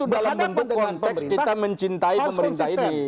itu dalam bentuk konteks kita mencintai pemerintah ini